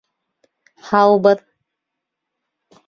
Һаубыҙ.